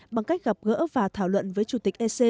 bằng cách gặp gỡ và thảo luận với chủ tịch ec